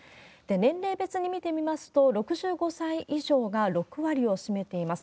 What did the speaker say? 年齢別に見てみますと、６５歳以上が６割を占めています。